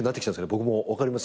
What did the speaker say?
僕も分かります